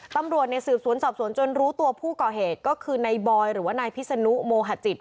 ตำรวจสืบสวนสอบสวนจนรู้ตัวผู้ก่อเหตุก็คือนายบอยหรือว่านายพิษนุโมหจิต